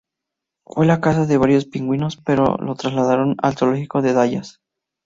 Fue la casa de varios pingüinos, pero los trasladaron al Zoológico de Dallas.